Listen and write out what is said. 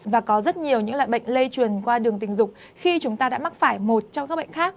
và có rất nhiều những loại bệnh lây truyền qua đường tình dục khi chúng ta đã mắc phải một trong các bệnh khác